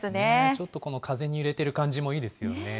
ちょっとこの風に揺れてる感じもいいですよね。